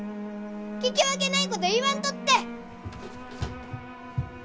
聞き分けないこと言わんとって！